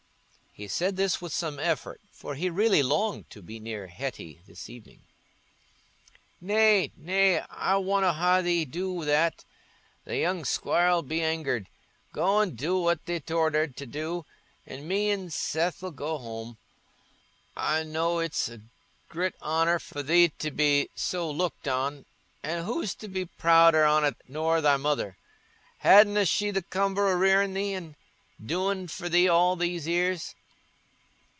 He said this with some effort, for he really longed to be near Hetty this evening. "Nay, nay, I wonna ha' thee do that—the young squire 'ull be angered. Go an' do what thee't ordered to do, an' me and Seth 'ull go whome. I know it's a grit honour for thee to be so looked on—an' who's to be prouder on it nor thy mother? Hadna she the cumber o' rearin' thee an' doin' for thee all these 'ears?"